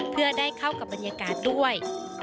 เพื่อได้เข้ากับบรรยากาศด้วย